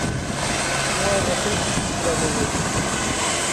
Non hai razón para movelas.